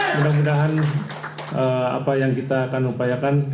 mudah mudahan apa yang kita akan upayakan